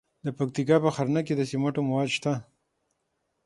د پکتیکا په ښرنه کې د سمنټو مواد شته.